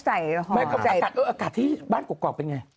อากาศที่บ้านกลอกเป็นไง